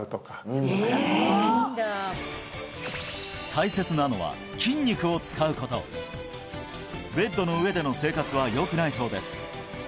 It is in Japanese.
大切なのはベッドの上での生活はよくないそうです